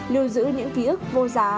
với những ký ức vô giá